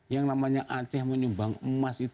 yang namanya aceh menyumbang emas itu